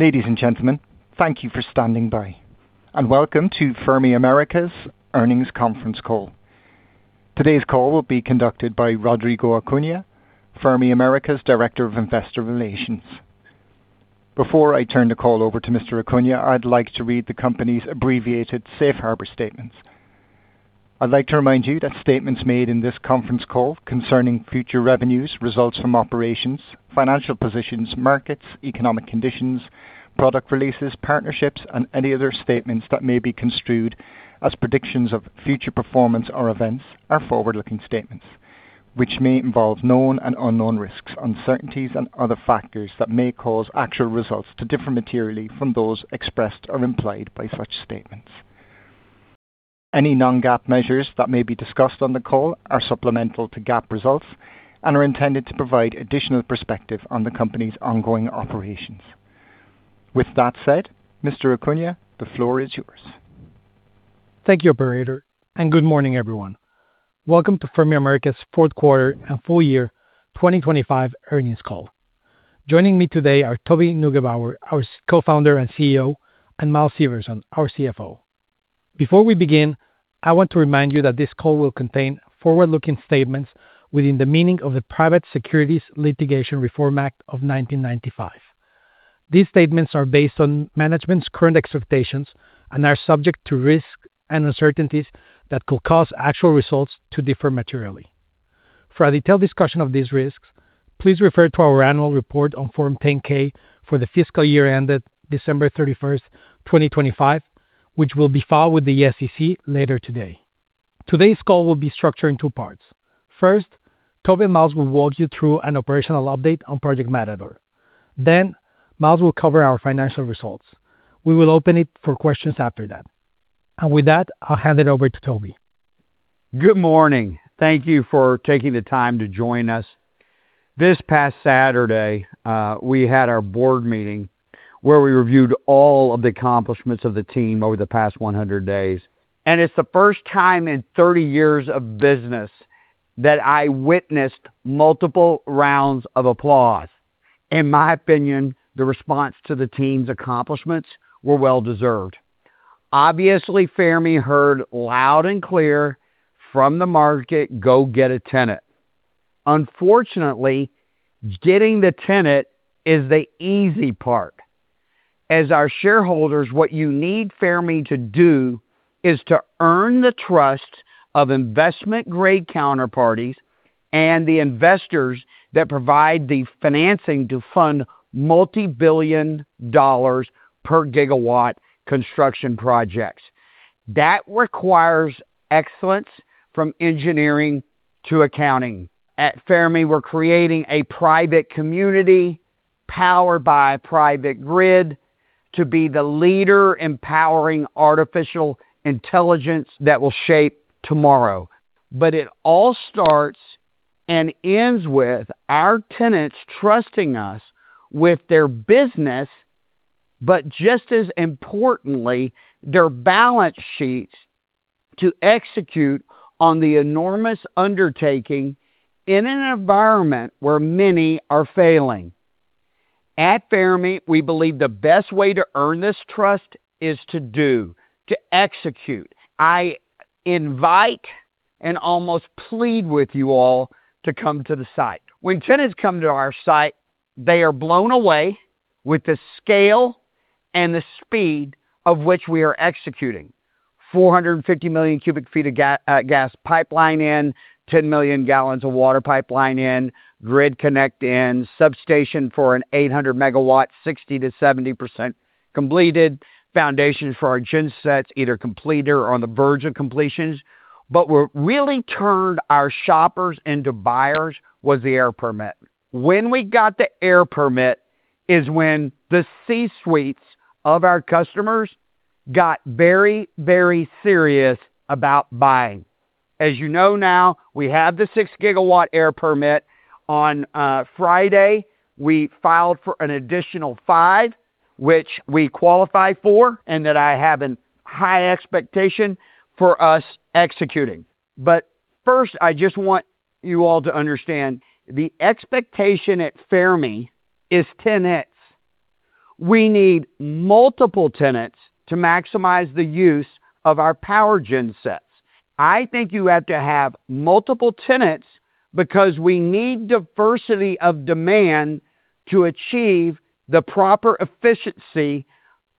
Ladies and gentlemen, thank you for standing by, and welcome to Fermi America's earnings conference call. Today's call will be conducted by Rodrigo Acuna, Fermi America's Director of Investor Relations. Before I turn the call over to Mr. Acuna, I'd like to read the company's abbreviated safe harbor statement. I'd like to remind you that statements made in this conference call concerning future revenues, results from operations, financial positions, markets, economic conditions, product releases, partnerships, and any other statements that may be construed as predictions of future performance or events are forward-looking statements which may involve known and unknown risks, uncertainties, and other factors that may cause actual results to differ materially from those expressed or implied by such statements. Any non-GAAP measures that may be discussed on the call are supplemental to GAAP results and are intended to provide additional perspective on the company's ongoing operations. With that said, Mr. Acuna, the floor is yours. Thank you, operator, and good morning, everyone. Welcome to Fermi America's fourth quarter and full year 2025 earnings call. Joining me today are Toby Neugebauer, our Co-Founder and CEO, and Miles Everson, our CFO. Before we begin, I want to remind you that this call will contain forward-looking statements within the meaning of the Private Securities Litigation Reform Act of 1995. These statements are based on management's current expectations and are subject to risks and uncertainties that could cause actual results to differ materially. For a detailed discussion of these risks, please refer to our annual report on Form 10-K for the fiscal year ended December 31, 2025, which will be filed with the SEC later today. Today's call will be structured in two parts. First, Toby and Miles will walk you through an operational update on Project Matador. Miles will cover our financial results. We will open it for questions after that. With that, I'll hand it over to Toby. Good morning. Thank you for taking the time to join us. This past Saturday, we had our board meeting where we reviewed all of the accomplishments of the team over the past 100 days, and it's the first time in 30 years of business that I witnessed multiple rounds of applause. In my opinion, the response to the team's accomplishments were well-deserved. Obviously, Fermi heard loud and clear from the market, "Go get a tenant." Unfortunately, getting the tenant is the easy part. As our shareholders, what you need Fermi to do is to earn the trust of investment-grade counterparties and the investors that provide the financing to fund multi-billion dollars-per-gigawatt construction projects. That requires excellence from engineering to accounting. At Fermi, we're creating a private community powered by a private grid to be the leader empowering artificial intelligence that will shape tomorrow. It all starts and ends with our tenants trusting us with their business, but just as importantly, their balance sheets to execute on the enormous undertaking in an environment where many are failing. At Fermi, we believe the best way to earn this trust is to do, to execute. I invite and almost plead with you all to come to the site. When tenants come to our site, they are blown away with the scale and the speed of which we are executing. 450 million cu ft of gas pipeline in, 10 million gal of water pipeline in, grid connect in, substation for an 800 MW, 60%-70% completed, foundations for our gen sets either completed or on the verge of completions. What really turned our shoppers into buyers was the air permit. When we got the air permit is when the C-suites of our customers got very, very serious about buying. As you know now, we have the 6 GW air permit. On Friday, we filed for an additional 5 GW, which we qualify for, and that I have a high expectation for us executing. First, I just want you all to understand the expectation at Fermi is tenants. We need multiple tenants to maximize the use of our power gen sets. I think you have to have multiple tenants because we need diversity of demand to achieve the proper efficiency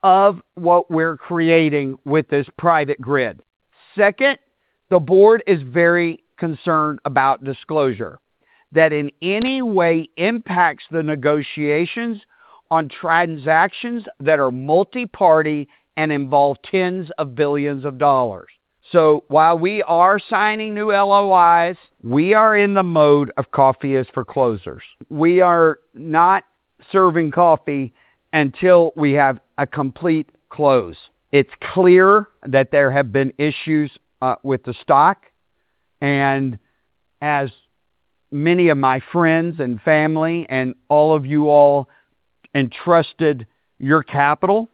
of what we're creating with this private grid. Second, the board is very concerned about disclosure that in any way impacts the negotiations on transactions that are multi-party and involve tens of billions of dollars. While we are signing new LOIs, we are in the mode of coffee is for closers. We are not serving coffee until we have a complete close. It's clear that there have been issues with the stock, and as many of my friends and family and all of you all entrusted your capital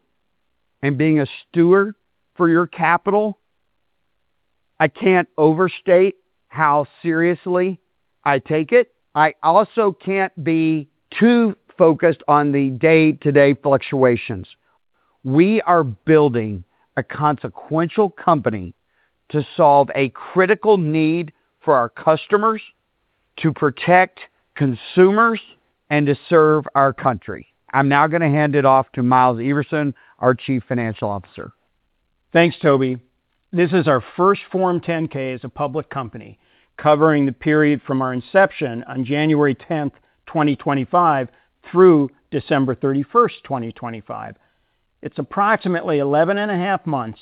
and being a steward for your capital, I can't overstate how seriously I take it. I also can't be too focused on the day-to-day fluctuations. We are building a consequential company to solve a critical need for our customers to protect consumers and to serve our country. I'm now gonna hand it off to Miles Everson, our Chief Financial Officer. Thanks, Toby. This is our first Form 10-K as a public company, covering the period from our inception on January 10, 2025, through December 31, 2025. It's approximately 11 and a half months.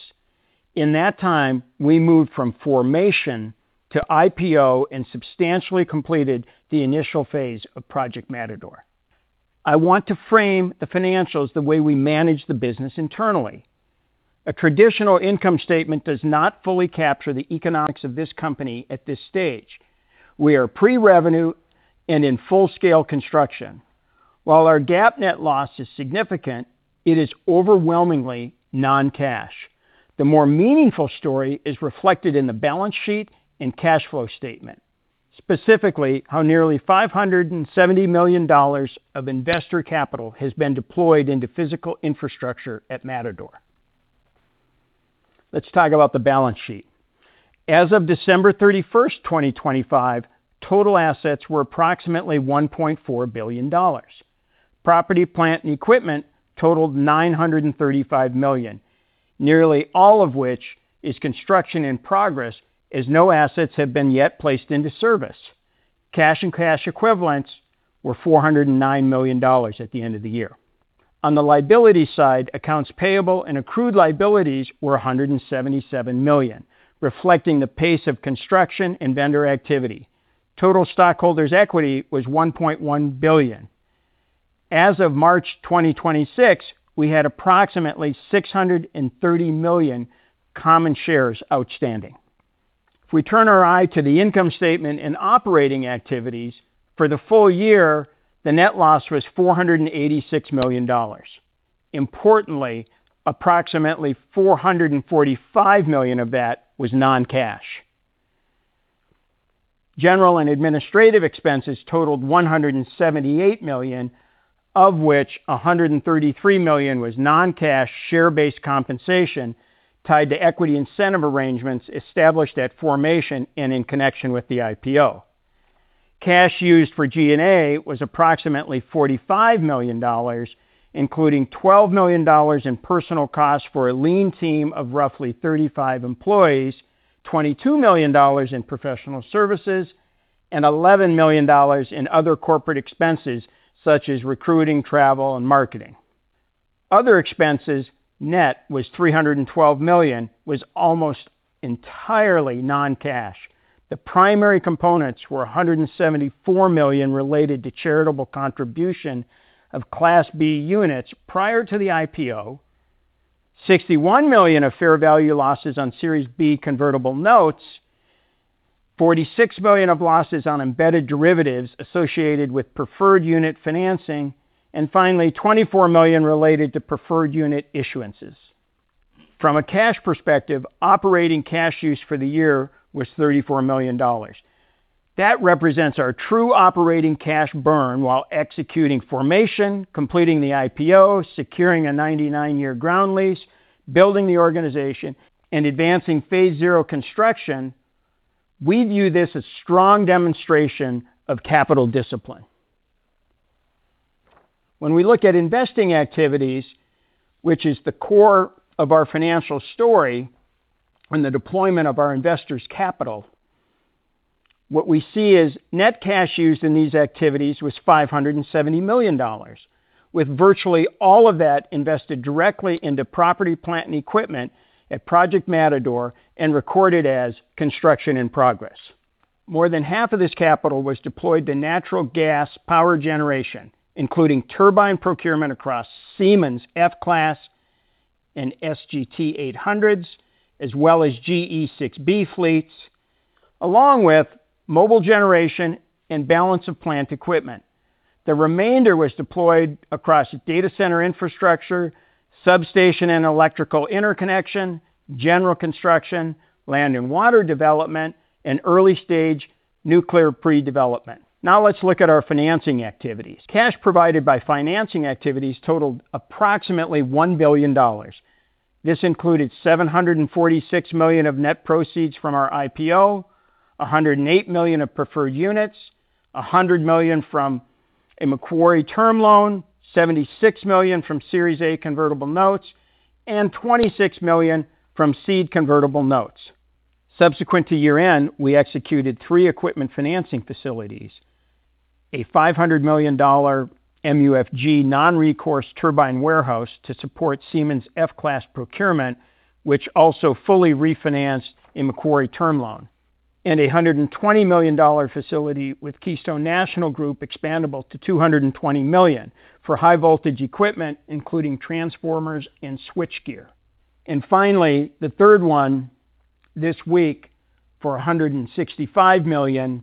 In that time, we moved from formation to IPO and substantially completed the initial phase of Project Matador. I want to frame the financials the way we manage the business internally. A traditional income statement does not fully capture the economics of this company at this stage. We are pre-revenue and in full scale construction. While our GAAP net loss is significant, it is overwhelmingly non-cash. The more meaningful story is reflected in the balance sheet and cash flow statement, specifically how nearly $570 million of investor capital has been deployed into physical infrastructure at Matador. Let's talk about the balance sheet. As of December 31st, 2025, total assets were approximately $1.4 billion. Property, plant, and equipment totaled $935 million, nearly all of which is construction in progress as no assets have been yet placed into service. Cash and cash equivalents were $409 million at the end of the year. On the liability side, accounts payable and accrued liabilities were $177 million, reflecting the pace of construction and vendor activity. Total stockholders' equity was $1.1 billion. As of March 2026, we had approximately 630 million common shares outstanding. If we turn our eye to the income statement and operating activities, for the full year, the net loss was $486 million. Importantly, approximately $445 million of that was non-cash. General and administrative expenses totaled $178 million, of which $133 million was non-cash share-based compensation tied to equity incentive arrangements established at formation and in connection with the IPO. Cash used for G&A was approximately $45 million, including $12 million in personal costs for a lean team of roughly 35 employees, $22 million in professional services, and $11 million in other corporate expenses such as recruiting, travel, and marketing. Other expenses net was $312 million, almost entirely non-cash. The primary components were $174 million related to charitable contribution of Class B units prior to the IPO, 61 million of fair value losses on Series B convertible notes, 46 million of losses on embedded derivatives associated with preferred unit financing, and finally, $24 million related to preferred unit issuances. From a cash perspective, operating cash use for the year was $34 million. That represents our true operating cash burn while executing formation, completing the IPO, securing a 99-year ground lease, building the organization, and advancing phase zero construction. We view this as strong demonstration of capital discipline. When we look at investing activities, which is the core of our financial story and the deployment of our investors' capital, what we see is net cash used in these activities was $570 million, with virtually all of that invested directly into property, plant, and equipment at Project Matador and recorded as construction in progress. More than half of this capital was deployed to natural gas power generation, including turbine procurement across Siemens F-class and SGT-800s, as well as GE 6B fleets, along with mobile generation and balance of plant equipment. The remainder was deployed across data center infrastructure, substation and electrical interconnection, general construction, land and water development, and early-stage nuclear pre-development. Now let's look at our financing activities. Cash provided by financing activities totaled approximately $1 billion. This included $746 million of net proceeds from our IPO, $108 million of preferred units, $100 million from a Macquarie term loan, $76 million from Series A convertible notes, and $26 million from seed convertible notes. Subsequent to year-end, we executed three equipment financing facilities, a $500 million MUFG non-recourse turbine warehouse to support Siemens F-class procurement, which also fully refinanced a Macquarie term loan, and a $120 million facility with Keystone National Group expandable to $220 million for high voltage equipment, including transformers and switchgear. Finally, the third one this week for $165 million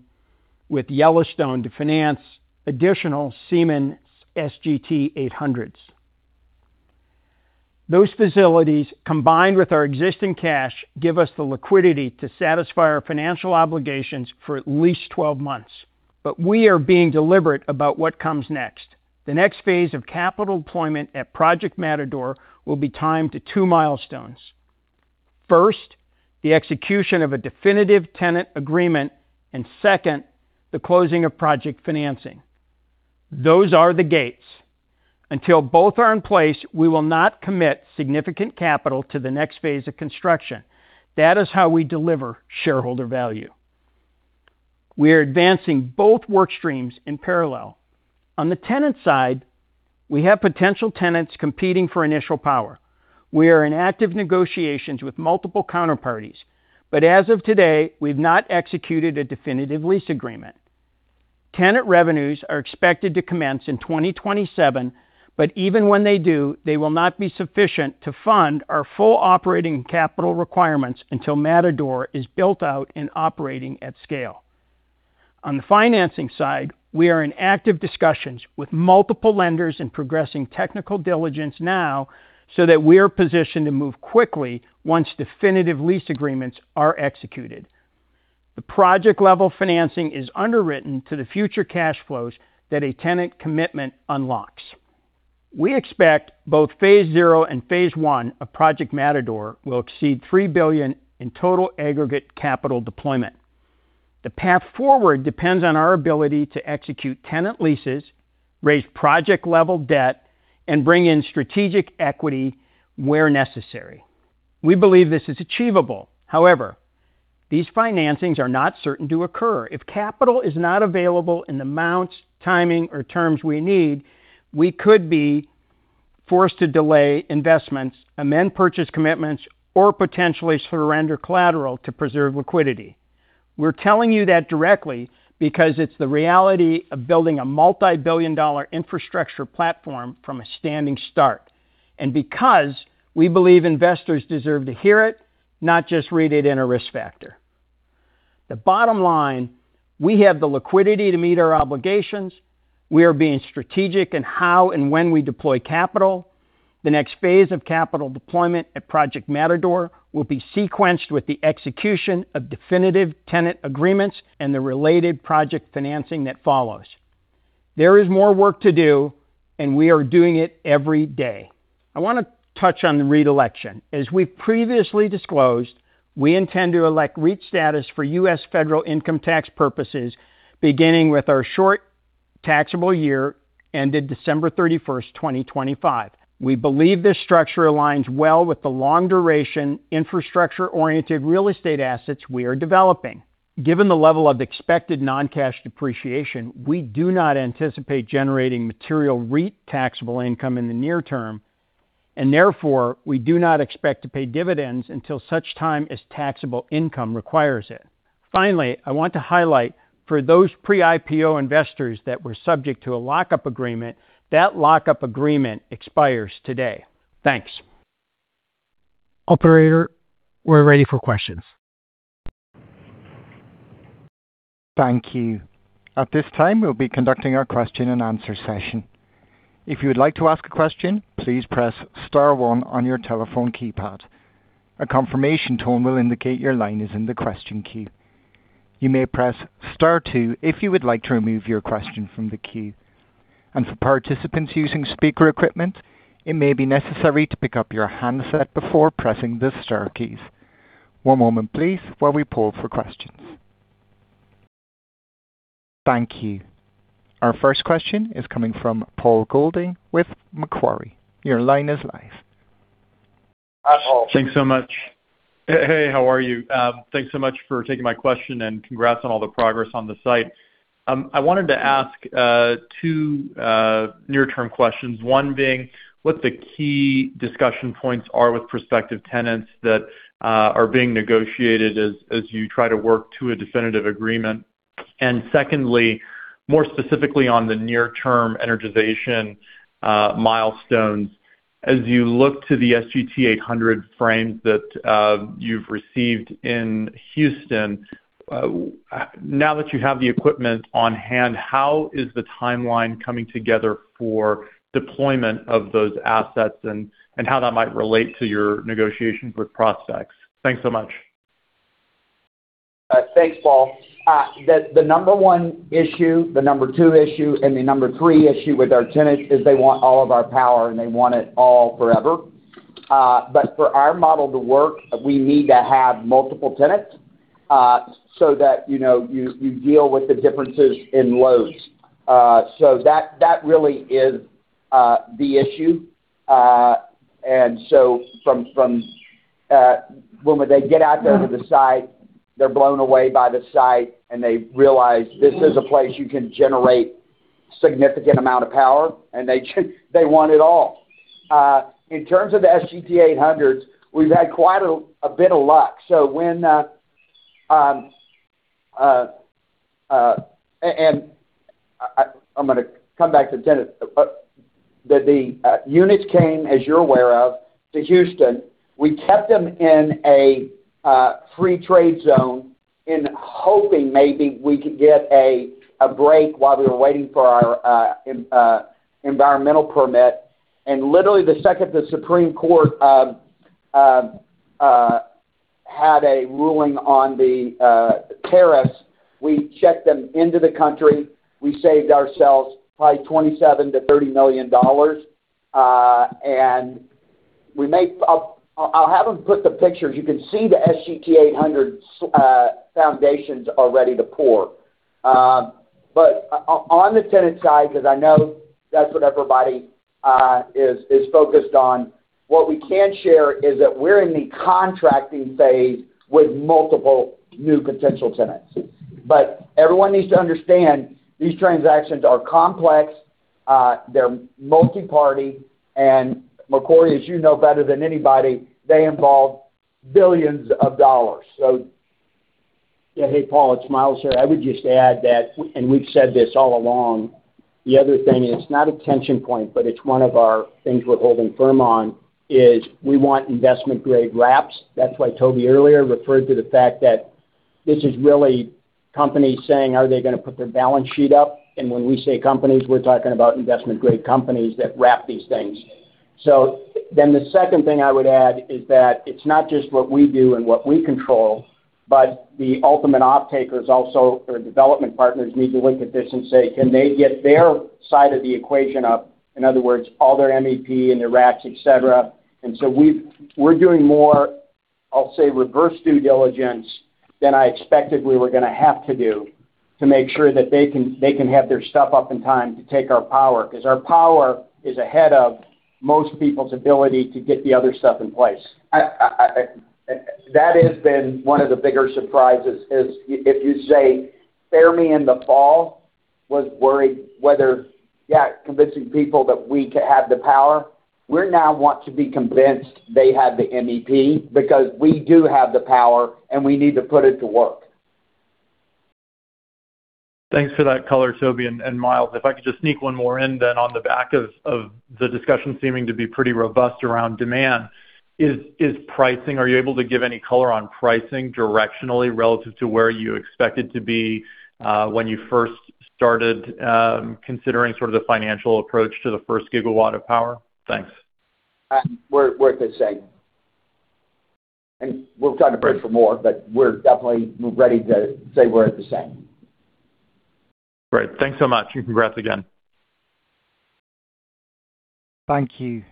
with Yellowstone to finance additional Siemens SGT-800s. Those facilities, combined with our existing cash, give us the liquidity to satisfy our financial obligations for at least 12 months. We are being deliberate about what comes next. The next phase of capital deployment at Project Matador will be timed to two milestones. First, the execution of a definitive tenant agreement, and second, the closing of project financing. Those are the gates. Until both are in place, we will not commit significant capital to the next phase of construction. That is how we deliver shareholder value. We are advancing both work streams in parallel. On the tenant side, we have potential tenants competing for initial power. We are in active negotiations with multiple counterparties, but as of today, we've not executed a definitive lease agreement. Tenant revenues are expected to commence in 2027, but even when they do, they will not be sufficient to fund our full operating capital requirements until Matador is built out and operating at scale. On the financing side, we are in active discussions with multiple lenders in progressing technical diligence now so that we are positioned to move quickly once definitive lease agreements are executed. The project-level financing is underwritten to the future cash flows that a tenant commitment unlocks. We expect both phase zero and phase one of Project Matador will exceed $3 billion in total aggregate capital deployment. The path forward depends on our ability to execute tenant leases, raise project-level debt, and bring in strategic equity where necessary. We believe this is achievable. However, these financings are not certain to occur. If capital is not available in the amounts, timing, or terms we need, we could be forced to delay investments, amend purchase commitments, or potentially surrender collateral to preserve liquidity. We're telling you that directly because it's the reality of building a multi-billion dollar infrastructure platform from a standing start, and because we believe investors deserve to hear it, not just read it in a risk factor. The bottom line, we have the liquidity to meet our obligations. We are being strategic in how and when we deploy capital. The next phase of capital deployment at Project Matador will be sequenced with the execution of definitive tenant agreements and the related project financing that follows. There is more work to do, and we are doing it every day. I wanna touch on the reelection. As we previously disclosed, we intend to elect REIT status for U.S. federal income tax purposes, beginning with our short taxable year, ended December 31st, 2025. We believe this structure aligns well with the long-duration, infrastructure-oriented real estate assets we are developing. Given the level of expected non-cash depreciation, we do not anticipate generating material REIT taxable income in the near term, and therefore we do not expect to pay dividends until such time as taxable income requires it. Finally, I want to highlight for those pre-IPO investors that were subject to a lock-up agreement, that lock-up agreement expires today. Thanks. Operator, we're ready for questions. Thank you. At this time, we'll be conducting our question-and-answer session. If you would like to ask a question, please press star one on your telephone keypad. A confirmation tone will indicate your line is in the question queue. You may press star two if you would like to remove your question from the queue. For participants using speaker equipment, it may be necessary to pick up your handset before pressing the star keys. One moment, please, while we poll for questions. Thank you. Our first question is coming from Paul Golding with Macquarie. Your line is live. Hi, Paul. Thanks so much. Hey, how are you? Thanks so much for taking my question and congrats on all the progress on the site. I wanted to ask two near-term questions. One being, what the key discussion points are with prospective tenants that are being negotiated as you try to work to a definitive agreement? Secondly, more specifically on the near-term energization milestones, as you look to the SGT-800 frames that you've received in Houston, now that you have the equipment on hand, how is the timeline coming together for deployment of those assets and how that might relate to your negotiations with prospects? Thanks so much. Thanks, Paul. The number one issue, the number two issue, and the number three issue with our tenants is they want all of our power, and they want it all forever. For our model to work, we need to have multiple tenants, so that you know, you deal with the differences in loads. That really is the issue. From when they get out there to the site, they're blown away by the site, and they realize this is a place you can generate significant amount of power, and they want it all. In terms of the SGT-800s, we've had quite a bit of luck. I'm gonna come back to tenants. The units came, as you're aware of, to Houston. We kept them in a free trade zone in hoping maybe we could get a break while we were waiting for our environmental permit. Literally, the second the Supreme Court had a ruling on the tariffs, we checked them into the country. We saved ourselves probably $27 million-$30 million. I'll have them put the pictures. You can see the SGT-800's foundations are ready to pour. On the tenant side, 'cause I know that's what everybody is focused on, what we can share is that we're in the contracting phase with multiple new potential tenants. Everyone needs to understand, these transactions are complex, they're multi-party, and Macquarie, as you know better than anybody, they involve billions of dollars. Yeah. Hey, Paul, it's Miles here. I would just add that, and we've said this all along, the other thing is not a tension point, but it's one of our things we're holding firm on, is we want investment-grade wraps. That's why Toby earlier referred to the fact that this is really companies saying, are they gonna put their balance sheet up? And when we say companies, we're talking about investment-grade companies that wrap these things. The second thing I would add is that it's not just what we do and what we control, but the ultimate off-takers also or development partners need to look at this and say, can they get their side of the equation up? In other words, all their MEP and their wraps, et cetera. We're doing more, I'll say, reverse due diligence than I expected we were gonna have to do to make sure that they can have their stuff up in time to take our power. 'Cause our power is ahead of most people's ability to get the other stuff in place. That has been one of the bigger surprises is if you say Fermi in the fall was worried whether, yeah, convincing people that we could have the power. We now want to be convinced they have the MEP because we do have the power, and we need to put it to work. Thanks for that color, Toby and Miles. If I could just sneak one more in then on the back of the discussion seeming to be pretty robust around demand. Is pricing... Are you able to give any color on pricing directionally relative to where you expected to be when you first started considering sort of the financial approach to the 1 GW of power? Thanks. We're at the same. We'll try to push for more, but we're definitely ready to say we're at the same. Great. Thanks so much, and congrats again. Thank you.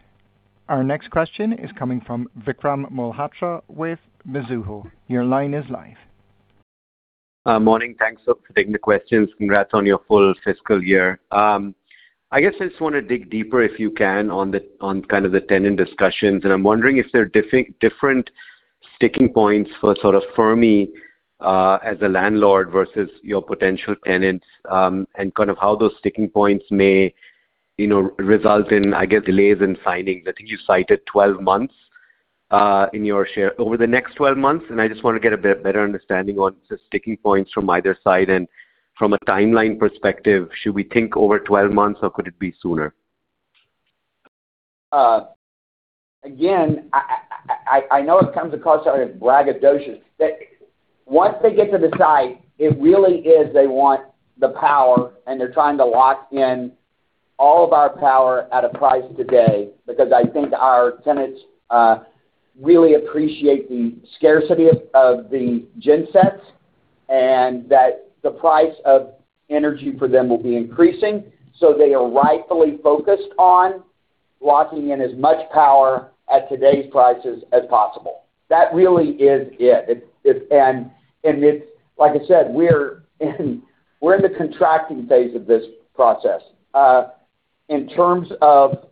Our next question is coming from Vikram Malhotra with Mizuho. Your line is live. Morning. Thanks for taking the questions. Congrats on your full fiscal year. I guess I just wanna dig deeper, if you can, on kind of the tenant discussions. I'm wondering if there are different sticking points for sort of Fermi, as a landlord versus your potential tenants, and kind of how those sticking points may, you know, result in, I guess, delays in signing. I think you cited 12 months over the next 12 months. I just wanna get a bit better understanding on the sticking points from either side. From a timeline perspective, should we think over 12 months, or could it be sooner? Again, I know it comes across sort of braggadocious that once they get to the site, it really is they want the power, and they're trying to lock in all of our power at a price today. Because I think our tenants really appreciate the scarcity of the gen sets and that the price of energy for them will be increasing. They are rightfully focused on locking in as much power at today's prices as possible. That really is it. It's like I said, we're in the contracting phase of this process. In terms of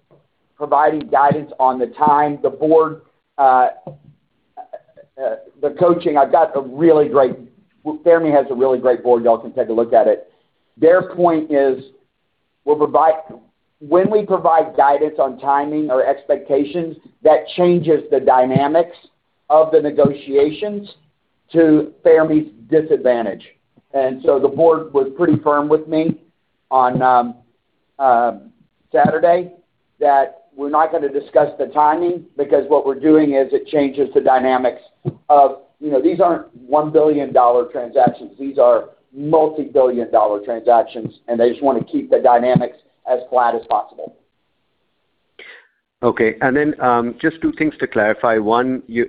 providing guidance on the timeline, the board, the closing, Fermi has a really great board. Y'all can take a look at it. Their point is, when we provide guidance on timing or expectations, that changes the dynamics of the negotiations to Fermi's disadvantage. The board was pretty firm with me on Saturday that we're not gonna discuss the timing because what we're doing is, it changes the dynamics of. You know, these aren't $1 billion transactions. These are multi-billion-dollar transactions, and they just wanna keep the dynamics as flat as possible. Okay. Just two things to clarify. One, you,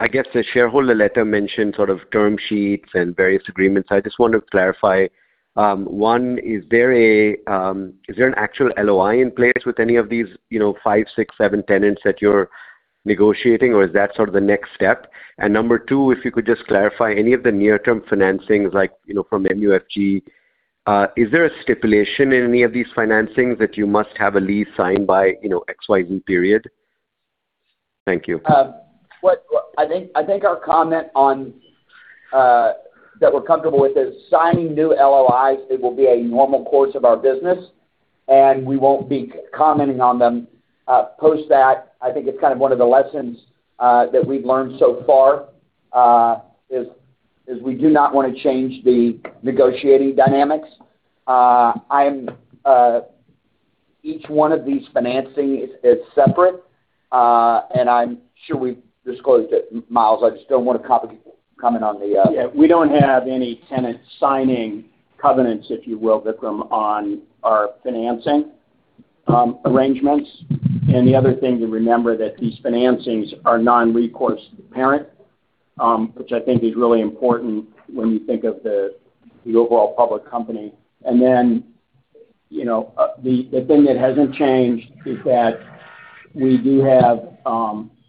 I guess the shareholder letter mentioned sort of term sheets and various agreements. I just wanted to clarify. One, is there a, is there an actual LOI in place with any of these, you know, five, six, seven tenants that you're negotiating, or is that sort of the next step? Number two, if you could just clarify any of the near-term financings, like, you know, from MUFG, is there a stipulation in any of these financings that you must have a lease signed by, you know, X, Y, Z period? Thank you. I think our comment on that we're comfortable with is signing new LOIs. It will be a normal course of our business, and we won't be commenting on them post that. I think it's kind of one of the lessons that we've learned so far is we do not want to change the negotiating dynamics. Each one of these financing is separate. And I'm sure we've disclosed it, Miles. I just don't want to comment on the, Yeah, we don't have any tenant signing covenants, if you will, Vikram, on our financing arrangements. The other thing to remember that these financings are non-recourse to the parent, which I think is really important when you think of the overall public company. You know, the thing that hasn't changed is that we do have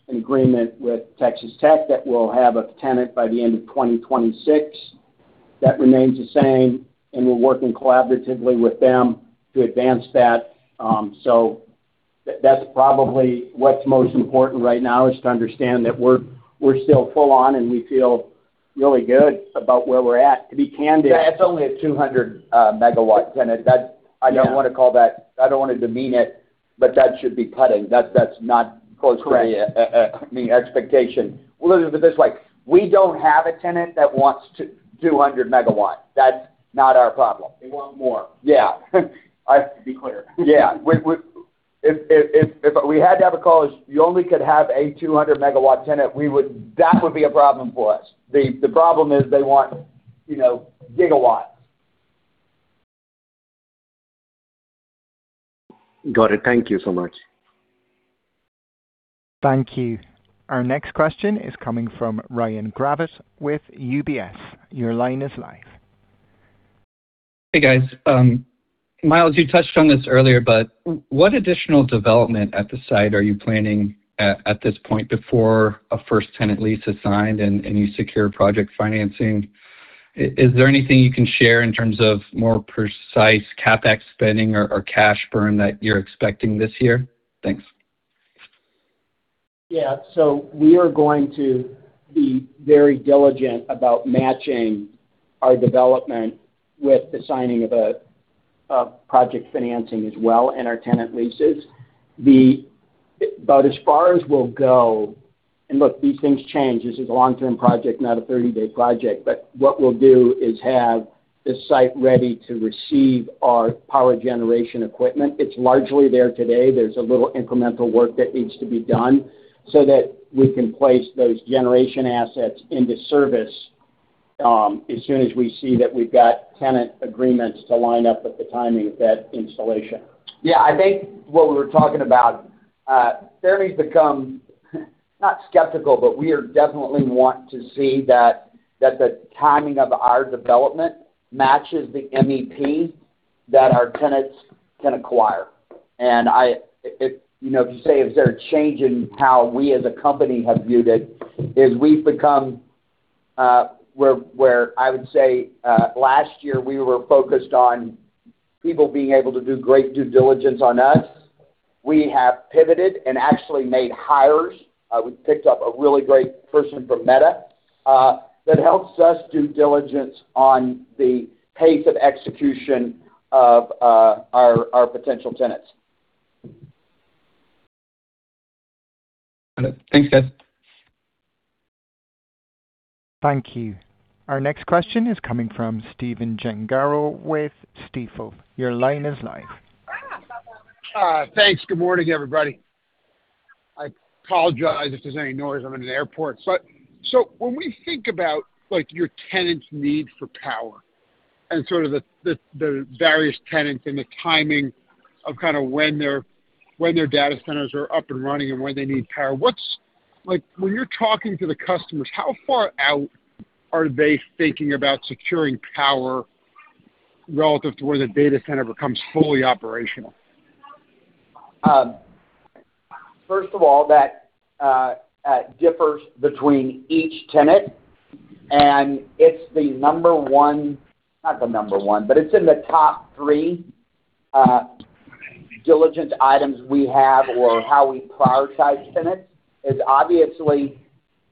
an agreement with Texas Tech that we'll have a tenant by the end of 2026. That remains the same, and we're working collaboratively with them to advance that. That's probably what's most important right now is to understand that we're still full on, and we feel really good about where we're at. To be candid- Yeah, it's only a 200 MW tenant. Yeah. I don't want to demean it, but that should be cutting. That's not close to any- Correct. Any expectation. We'll leave it at this. Like, we don't have a tenant that wants 200 MW. That's not our problem. They want more. Yeah. To be clear. Yeah. If we had to have a call, if you only could have a 200 MW tenant, that would be a problem for us. The problem is they want, you know, gigawatts. Got it. Thank you so much. Thank you. Our next question is coming from Ryan Gravett with UBS. Your line is live. Hey, guys. Miles, you touched on this earlier, but what additional development at the site are you planning at this point before a first tenant lease is signed and you secure project financing? Is there anything you can share in terms of more precise CapEx spending or cash burn that you're expecting this year? Thanks. Yeah. We are going to be very diligent about matching our development with the signing of project financing as well and our tenant leases. As far as we'll go, look, these things change. This is a long-term project, not a 30-day project. What we'll do is have the site ready to receive our power generation equipment. It's largely there today. There's a little incremental work that needs to be done so that we can place those generation assets into service as soon as we see that we've got tenant agreements to line up with the timing of that installation. Yeah, I think what we were talking about, we have become, not skeptical, but we definitely want to see that the timing of our development matches the MEP that our tenants can acquire. You know, if you say, is there a change in how we as a company have viewed it? We've become where I would say last year we were focused on people being able to do great due diligence on us. We have pivoted and actually made hires. We picked up a really great person from Meta that helps us do due diligence on the pace of execution of our potential tenants. Got it. Thanks, guys. Thank you. Our next question is coming from Stephen Gengaro with Stifel. Your line is live. Thanks. Good morning, everybody. I apologize if there's any noise. I'm in an airport. When we think about, like, your tenants' need for power and sort of the various tenants and the timing of kind of when their data centers are up and running and when they need power, like, when you're talking to the customers, how far out are they thinking about securing power relative to where the data center becomes fully operational? First of all, that differs between each tenant, and it's the number one, not the number one, but it's in the top three diligence items we have or how we prioritize tenants is obviously,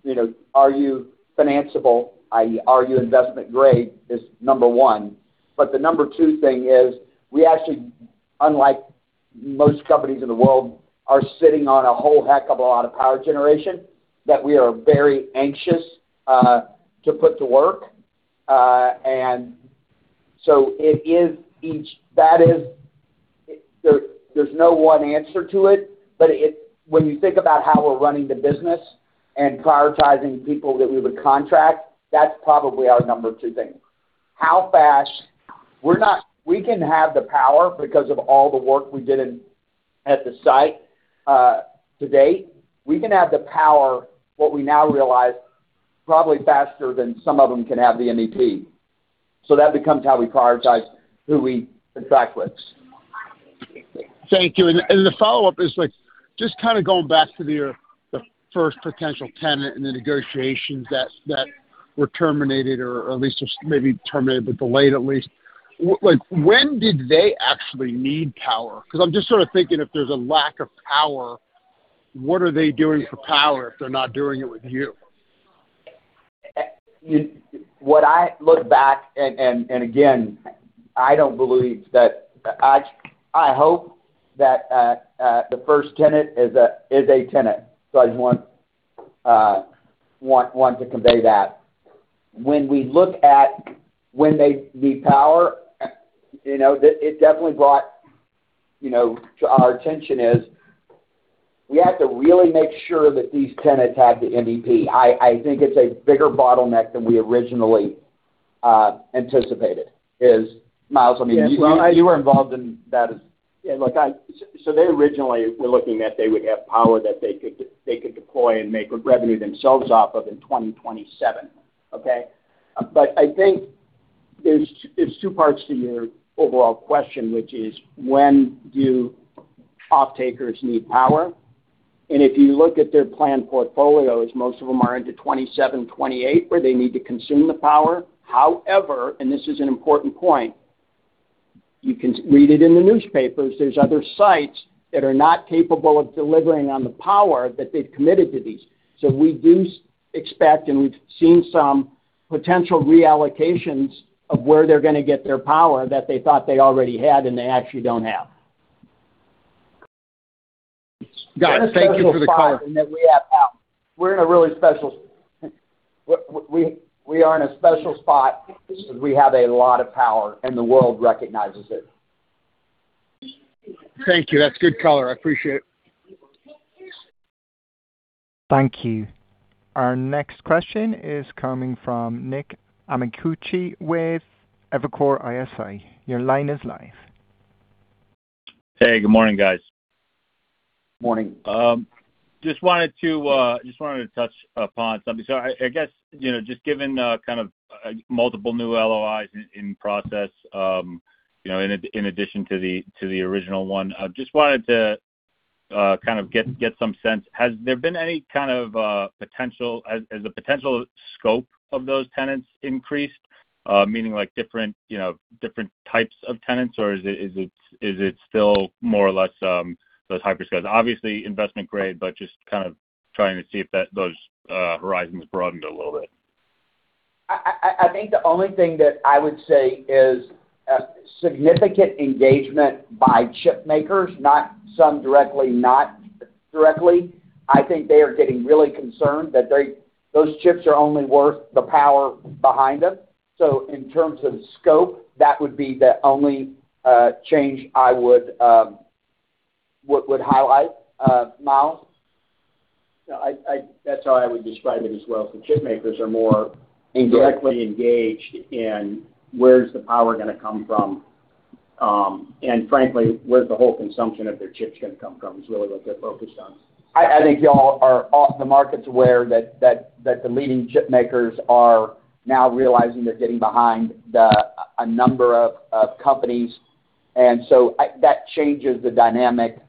you know, are you financeable? i.e., are you investment grade is number one. The number two thing is we actually, unlike most companies in the world, are sitting on a whole heck of a lot of power generation that we are very anxious to put to work. There's no one answer to it. When you think about how we're running the business and prioritizing people that we would contract, that's probably our number two thing. We can have the power because of all the work we did at the site to date. We can have the power, what we now realize, probably faster than some of them can have the MEP. That becomes how we prioritize who we contract with. Thank you. The follow-up is like, just kind of going back to your—the first potential tenant and the negotiations that were terminated or at least just maybe terminated, but delayed at least. Well, like, when did they actually need power? Because I'm just sort of thinking if there's a lack of power, what are they doing for power if they're not doing it with you? When I look back and again, I don't believe that. I hope that the first tenant is a tenant. I just want to convey that. When we look at the power, you know, it definitely brought, you know, to our attention that we have to really make sure that these tenants have the MEP. I think it's a bigger bottleneck than we originally anticipated. Miles, I mean Yes. You were involved in that as. Yeah. Look, they originally were looking that they would have power that they could deploy and make revenue themselves off of in 2027. Okay. I think there's two parts to your overall question, which is when do offtakers need power? If you look at their planned portfolios, most of them are into 2027, 2028, where they need to consume the power. However, and this is an important point, you can read it in the newspapers, there's other sites that are not capable of delivering on the power that they've committed to these. We do expect, and we've seen some potential reallocations of where they're gonna get their power that they thought they already had and they actually don't have. Got it. Thank you for the color. We're in a special spot in that we have power. We are in a special spot because we have a lot of power and the world recognizes it. Thank you. That's good color. I appreciate it. Thank you. Our next question is coming from Nick Amicucci with Evercore ISI. Your line is live. Hey, good morning, guys. Morning. Just wanted to touch upon something. I guess, you know, just given kind of multiple new LOIs in process, you know, in addition to the original one, I just wanted to kind of get some sense. Has the potential scope of those tenants increased, meaning like different, you know, different types of tenants? Or is it still more or less those hyperscalers? Obviously investment grade, but just kind of trying to see if those horizons broadened a little bit. I think the only thing that I would say is significant engagement by chip makers, not directly. I think they are getting really concerned that those chips are only worth the power behind them. In terms of scope, that would be the only change I would highlight. Miles? No, I. That's how I would describe it as well. The chip makers are more Engaged... directly engaged in where's the power gonna come from. Frankly, where's the whole consumption of their chips gonna come from is really what they're focused on. I think the market's aware that the leading chip makers are now realizing they're getting behind a number of companies. That changes the dynamic.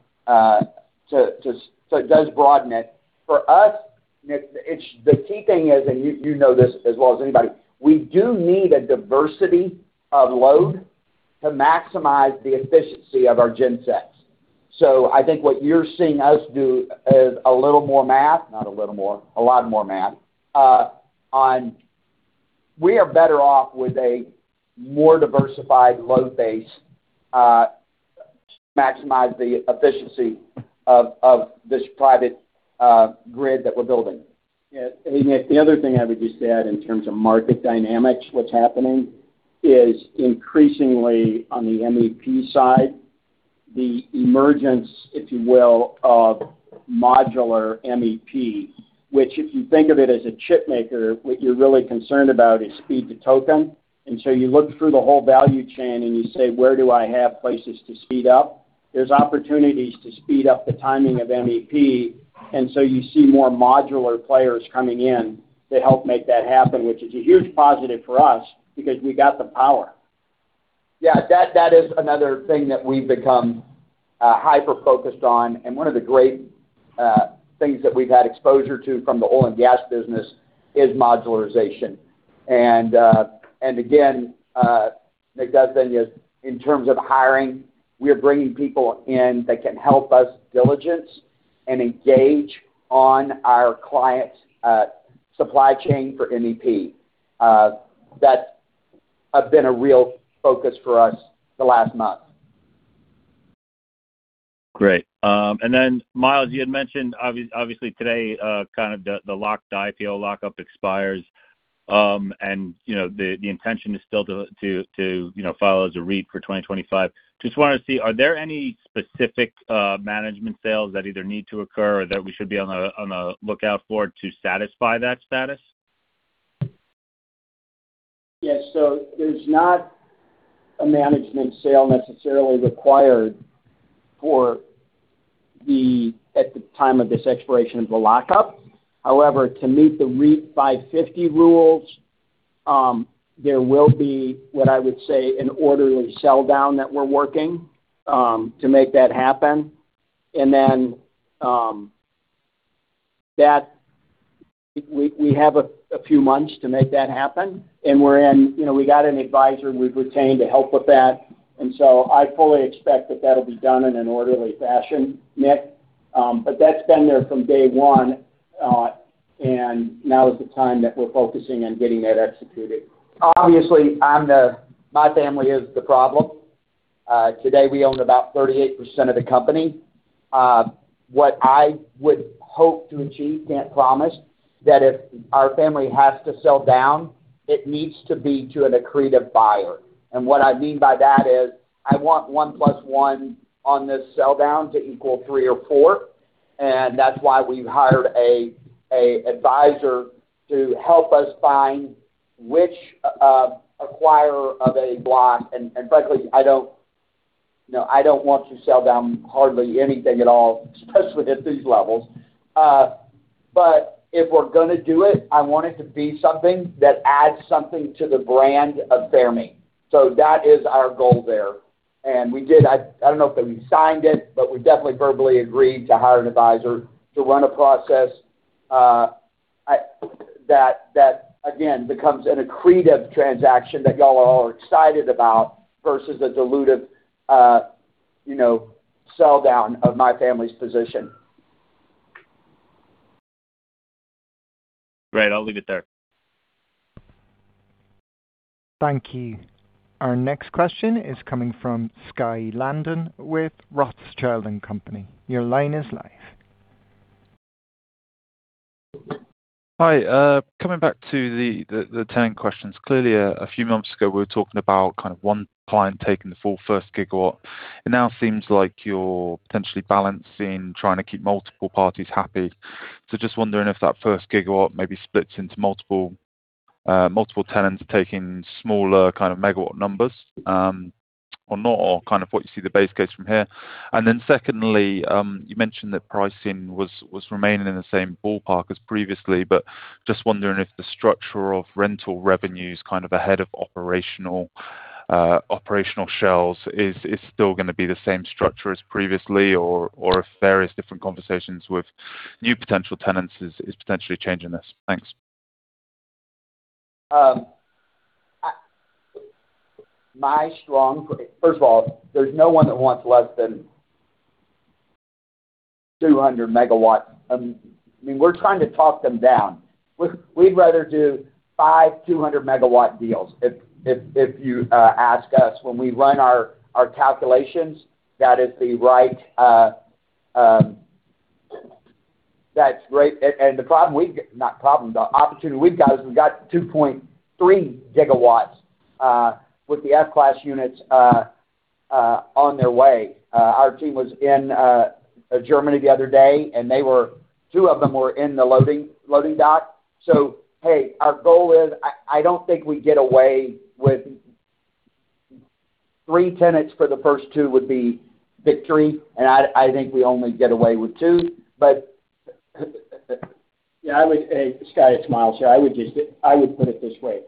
It does broaden it. For us, Nick, it's the key thing is, you know this as well as anybody, we do need a diversity of load to maximize the efficiency of our gen sets. I think what you're seeing us do is a little more math, not a little more, a lot more math on we are better off with a more diversified load base to maximize the efficiency of this private grid that we're building. Yeah. Nick, the other thing I would just add in terms of market dynamics, what's happening is increasingly on the MEP side, the emergence, if you will, of modular MEP, which if you think of it as a chip maker, what you're really concerned about is speed to token. You look through the whole value chain and you say, "Where do I have places to speed up?" There's opportunities to speed up the timing of MEP, and so you see more modular players coming in to help make that happen, which is a huge positive for us because we got the power. Yeah, that is another thing that we've become hyper-focused on. One of the great things that we've had exposure to from the oil and gas business is modularization. Again, [Nicholas Amicucci], in terms of hiring, we are bringing people in that can help us diligence and engage on our client's supply chain for MEP. That has been a real focus for us the last month. Great. Miles, you had mentioned obviously today, kind of the IPO lockup expires. You know, the intention is still to file as a REIT for 2025. Just wanna see, are there any specific management sales that either need to occur or that we should be on the lookout for to satisfy that status? Yeah. There's not a management sale necessarily required at the time of this expiration of the lockup. However, to meet the REIT 5/50 rules, there will be what I would say an orderly sell-down that we're working to make that happen. We have a few months to make that happen. We're in. You know, we got an advisor we've retained to help with that, and so I fully expect that that'll be done in an orderly fashion, Nick. That's been there from day one, and now is the time that we're focusing on getting that executed. Obviously, my family is the problem. Today we own about 38% of the company. What I would hope to achieve, can't promise, that if our family has to sell down, it needs to be to an accretive buyer. What I mean by that is, I want 1 + 1 on this sell down to equal 3 or 4. That's why we've hired an advisor to help us find which acquirer of a block. Frankly, No, I don't want to sell down hardly anything at all, especially at these levels. If we're gonna do it, I want it to be something that adds something to the brand of Fermi. That is our goal there. We did. I don't know if they re-signed it, but we definitely verbally agreed to hire an advisor to run a process. That again becomes an accretive transaction that y'all are all excited about versus a dilutive, you know, sell down of my family's position. Great. I'll leave it there. Thank you. Our next question is coming from Skye Landon with Rothschild & Co. Your line is live. Hi. Coming back to the tenant questions. Clearly, a few months ago, we were talking about kind of one client taking the full 1 GW. It now seems like you're potentially balancing trying to keep multiple parties happy. Just wondering if that 1 GW maybe splits into multiple tenants taking smaller kind of megawatt numbers, or not, or kind of what you see the base case from here. Then secondly, you mentioned that pricing was remaining in the same ballpark as previously, but just wondering if the structure of rental revenues kind of ahead of operational shells is still gonna be the same structure as previously or if there is different conversations with new potential tenants is potentially changing this. Thanks. First of all, there's no one that wants less than 200 MW. I mean, we're trying to talk them down. We'd rather do five 200 MW deals if you ask us when we run our calculations, that is the right. That's great. Not problem, the opportunity we've got is we've got 2.3 GW with the F-class units on their way. Our team was in Germany the other day, and two of them were in the loading dock. Hey, our goal is I don't think we get away with three tenants for the first two would be victory, and I think we only get away with two. Hey, Skye, it's Miles here. I would put it this way.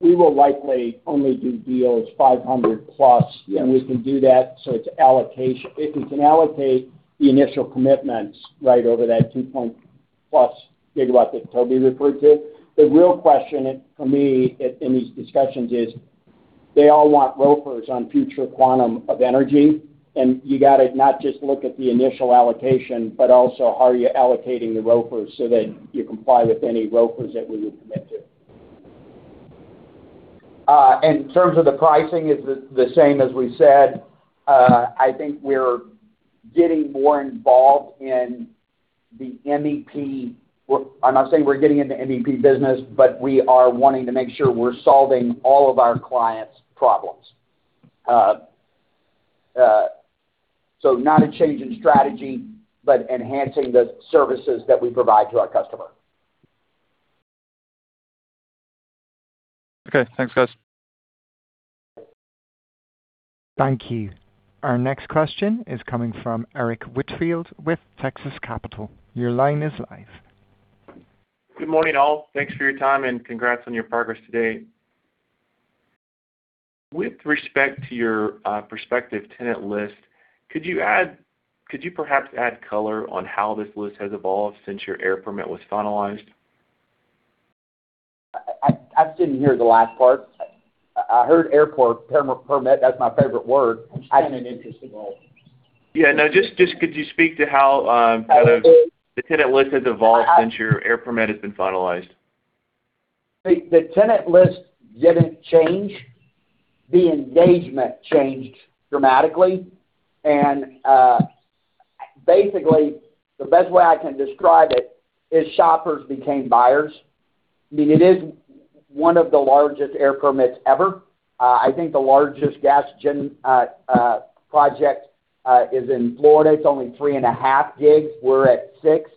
We will likely only do deals 500+, and we can do that, so it's allocation. If we can allocate the initial commitments right over that 2 GW+ that Toby referred to. The real question for me in these discussions is they all want ROFRs on future quantum of energy, and you got to not just look at the initial allocation, but also how are you allocating the ROFRs so that you comply with any ROFRs that we would commit to. In terms of the pricing is the same as we said. I think we're getting more involved in the MEP. I'm not saying we're getting into MEP business, but we are wanting to make sure we're solving all of our clients' problems. Not a change in strategy, but enhancing the services that we provide to our customer. Okay. Thanks, guys. Thank you. Our next question is coming from Derrick Whitfield with Texas Capital. Your line is live. Good morning, all. Thanks for your time and congrats on your progress today. With respect to your prospective tenant list, could you perhaps add color on how this list has evolved since your air permit was finalized? I didn't hear the last part. I heard airport permit. That's my favorite word. It's kind of an interesting role. Yeah. No, just could you speak to how kind of the tenant list has evolved since your air permit has been finalized? The tenant list didn't change. The engagement changed dramatically. Basically, the best way I can describe it is shoppers became buyers. I mean, it is one of the largest air permits ever. I think the largest gas gen project is in Florida. It's only 3.5 GB. We're at 6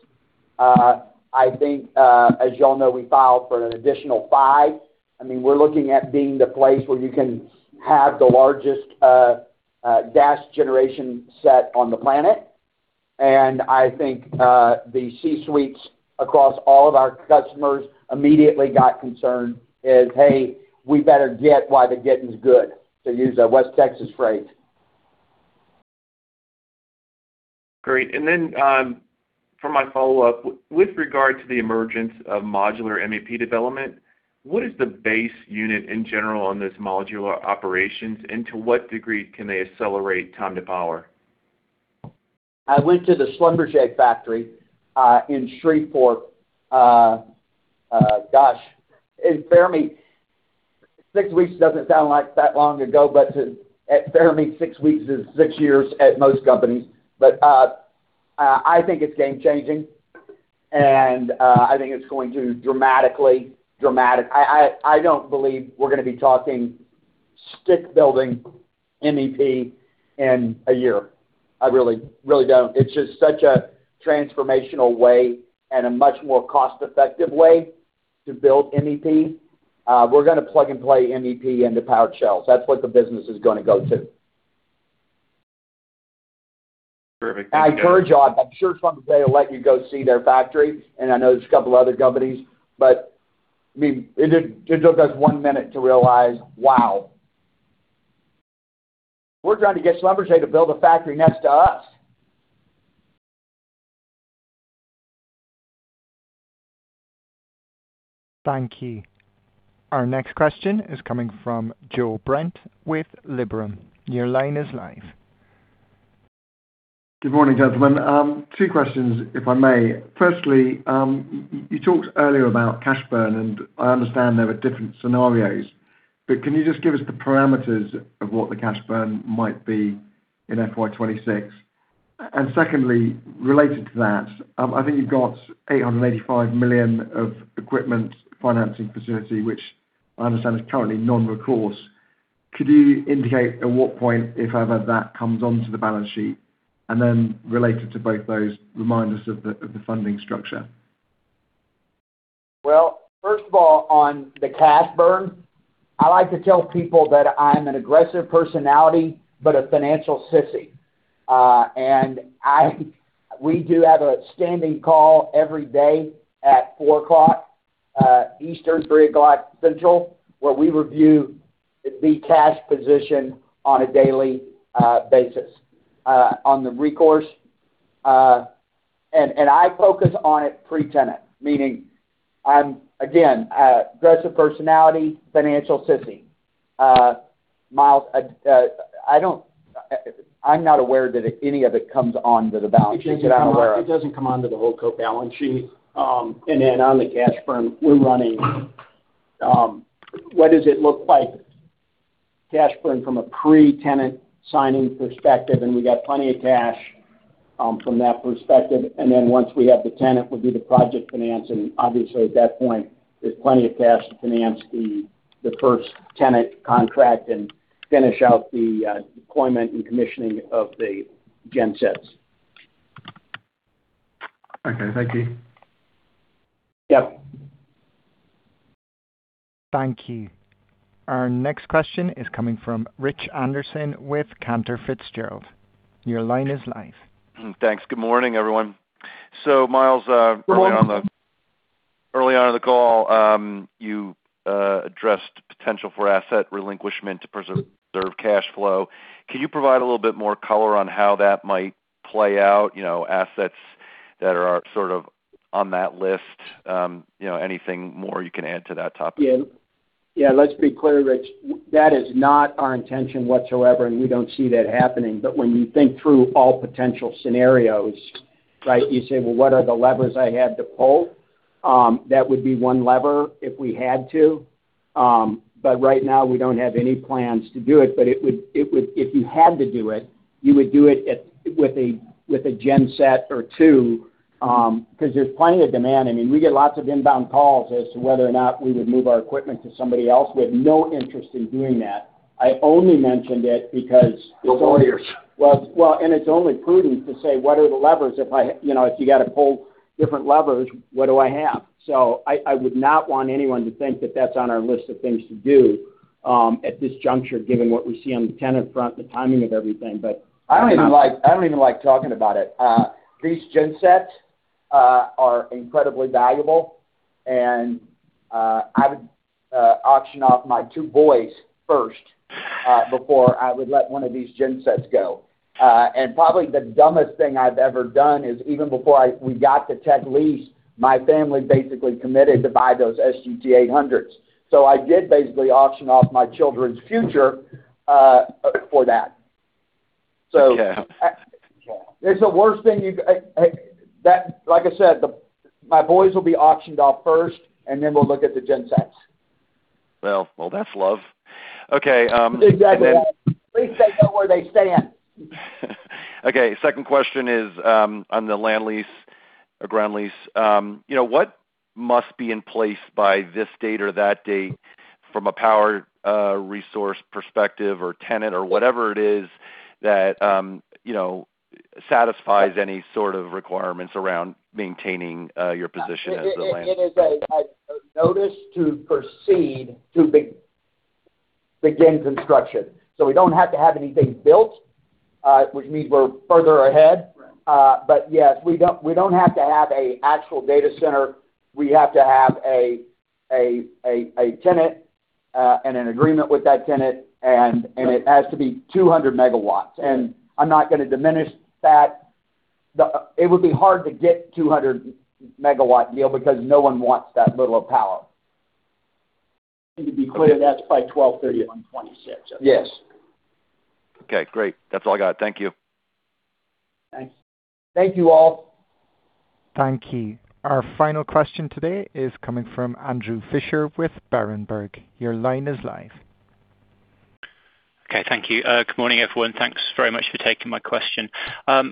GB. I think, as you all know, we filed for an additional 5 GB. I mean, we're looking at being the place where you can have the largest gas generation set on the planet. I think, the C-suites across all of our customers immediately got concerned is, "Hey, we better get while the getting's good," to use a West Texas phrase. Great. For my follow-up, with regard to the emergence of modular MEP development, what is the base unit in general on this modular operations, and to what degree can they accelerate time to power? I went to the Schlumberger factory in Shreveport. Berenberg, six weeks doesn't sound like that long ago, but at Berenberg, six weeks is six years at most companies. I think it's game-changing, and I think it's going to dramatically. I don't believe we're gonna be talking stick-built building MEP in a year. I really don't. It's just such a transformational way and a much more cost-effective way to build MEP. We're gonna plug and play MEP into power shells. That's what the business is gonna go to. Perfect. I encourage y'all. I'm sure Schlumberger will let you go see their factory, and I know there's a couple other companies. I mean, it took us one minute to realize, wow. We're trying to get Schlumberger to build a factory next to us. Thank you. Our next question is coming from Joe Brent with Liberum. Your line is live. Good morning, gentlemen. Two questions, if I may. Firstly, you talked earlier about cash burn, and I understand there are different scenarios. Can you just give us the parameters of what the cash burn might be in FY 2026? And secondly, related to that, I think you've got $885 million of equipment financing facility, which I understand is currently non-recourse. Could you indicate at what point, if ever, that comes onto the balance sheet? Related to both those, remind us of the funding structure. Well, first of all, on the cash burn, I like to tell people that I'm an aggressive personality, but a financial sissy. We do have a standing call every day at 4:00 P.M. Eastern, 3:00 P.M. Central, where we review the cash position on a daily basis. On the recourse, and I focus on it pre-tenant, meaning I'm again aggressive personality, financial sissy. Miles, I'm not aware that any of it comes onto the balance sheet, that I'm aware of. It doesn't come onto the Holdco balance sheet. On the cash burn, we're running. What does it look like cash burn from a pre-tenant signing perspective, and we got plenty of cash from that perspective. Once we have the tenant, we'll do the project finance, and obviously, at that point, there's plenty of cash to finance the first tenant contract and finish out the deployment and commissioning of the gensets. Okay. Thank you. Yep. Thank you. Our next question is coming from Rich Anderson with Cantor Fitzgerald. Your line is live. Thanks. Good morning, everyone. Miles, early on in the call, you addressed potential for asset relinquishment to preserve cash flow. Can you provide a little bit more color on how that might play out? You know, assets that are sort of on that list, you know, anything more you can add to that topic? Yeah. Let's be clear, Rich. That is not our intention whatsoever, and we don't see that happening. When you think through all potential scenarios, right, you say, "Well, what are the levers I have to pull?" That would be one lever if we had to. Right now, we don't have any plans to do it. It would, if you had to do it, you would do it with a genset or two, 'cause there's plenty of demand. I mean, we get lots of inbound calls as to whether or not we would move our equipment to somebody else. We have no interest in doing that. I only mentioned it because- It's warriors. Well, well, and it's only prudent to say, what are the levers you know, if you gotta pull different levers, what do I have? I would not want anyone to think that that's on our list of things to do, at this juncture, given what we see on the tenant front, the timing of everything, but. I don't even like talking about it. These gensets are incredibly valuable, and I would auction off my two boys first before I would let one of these gensets go. Probably the dumbest thing I've ever done is even before we got to Texas Tech lease, my family basically committed to buy those SGT-800s. I did basically auction off my children's future for that. Yeah. Hey, like I said, my boys will be auctioned off first, and then we'll look at the gensets. Well, well, that's love. Okay. Exactly. At least they know where they stand. Okay. Second question is, on the land lease or ground lease. You know, what must be in place by this date or that date from a power resource perspective or tenant or whatever it is that, you know, satisfies any sort of requirements around maintaining your position as the landlord? It is a notice to proceed to begin construction. We don't have to have anything built, which means we're further ahead. Yes, we don't have to have an actual data center. We have to have a tenant, and an agreement with that tenant and it has to be 200 MW. I'm not gonna diminish that. It would be hard to get 200 MW deal because no one wants that little of power. To be clear, that's by [12:30 P.M.] on 26th. Yes. Okay, great. That's all I got. Thank you. Thanks. Thank you all. Thank you. Our final question today is coming from Andrew Fisher with Berenberg. Your line is live. Okay. Thank you. Good morning, everyone. Thanks very much for taking my question. A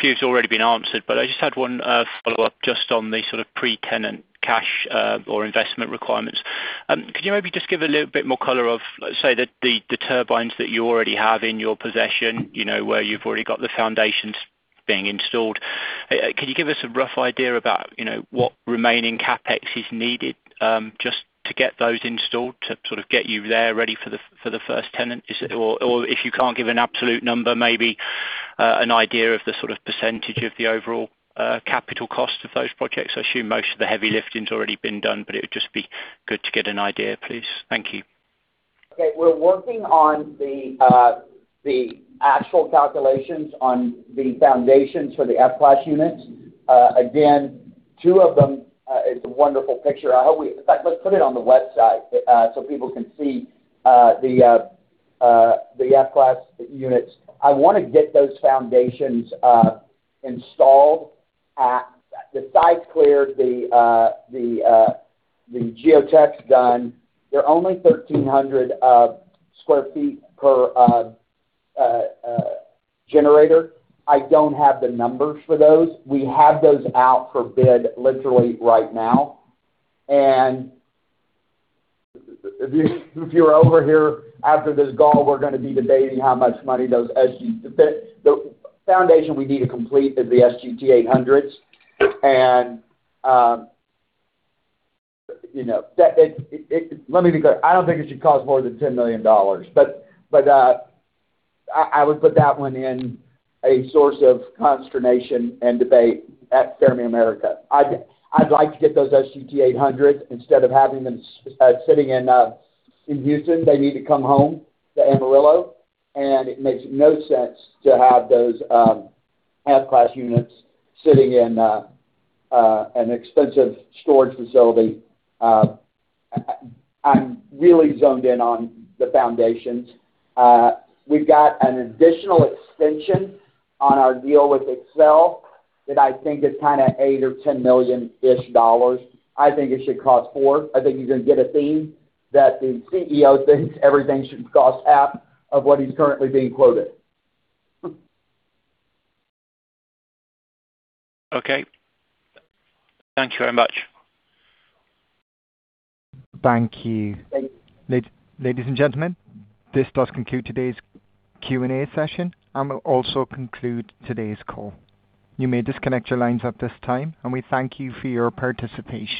few has already been answered, but I just had one follow-up just on the sort of pre-tenant cash or investment requirements. Could you maybe just give a little bit more color of, let's say that the turbines that you already have in your possession, you know, where you've already got the foundations being installed. Could you give us a rough idea about, you know, what remaining CapEx is needed just to get those installed to sort of get you there ready for the first tenant? Or if you can't give an absolute number, maybe an idea of the sort of percentage of the overall capital cost of those projects. I assume most of the heavy lifting's already been done, but it would just be good to get an idea, please. Thank you. Okay. We're working on the actual calculations on the foundations for the F-class units. Again, two of them, it's a wonderful picture. I hope. In fact, let's put it on the website so people can see the F-class units. I wanna get those foundations installed. The site's cleared, the geotech's done. They're only 1,300 sq ft per generator. I don't have the numbers for those. We have those out for bid literally right now. If you're over here after this call, we're gonna be debating how much money the foundation we need to complete is the SGT-800s. Let me be clear. I don't think it should cost more than $10 million. I would put that one in a source of consternation and debate at Fermi America. I'd like to get those SGT-800s instead of having them sitting in Houston. They need to come home to Amarillo, and it makes no sense to have those F-class units sitting in an expensive storage facility. I'm really zoned in on the foundations. We've got an additional extension on our deal with Xcel Energy that I think is kind of $8 million-$10 million. I think it should cost $4 million. I think you're gonna get a theme that the CEO thinks everything should cost half of what he's currently being quoted. Okay. Thank you very much. Thank you. Thank you. Ladies and gentlemen, this does conclude today's Q&A session and will also conclude today's call. You may disconnect your lines at this time, and we thank you for your participation.